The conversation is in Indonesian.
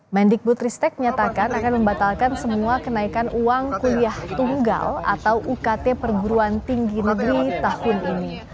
mendikbutristek menyatakan akan membatalkan semua kenaikan uang kuliah tunggal atau ukt perguruan tinggi negeri tahun ini